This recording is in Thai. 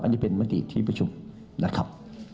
อันนี้เป็นมติที่ประชุมนะครับ